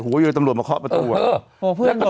หูยืนตำรวจมาเข้าประตู